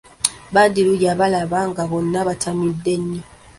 Badru yabalaba nga bonna batamidde nnyo.